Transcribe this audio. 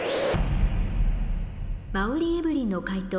馬瓜エブリンの解答